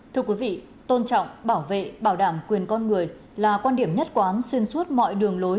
thưa quý vị tôn trọng bảo vệ bảo đảm quyền con người là quan điểm nhất quán xuyên suốt mọi đường lối